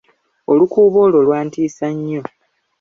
Olukuubo olwo lwantiisa nnyo.